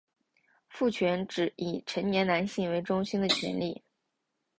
父权指以成年男性为中心的权力。